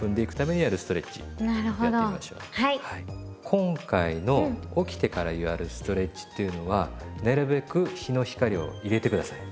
今回の起きてからやるストレッチっていうのはなるべく日の光を入れて下さい。